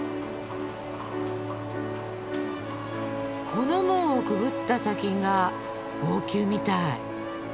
この門をくぐった先が王宮みたい。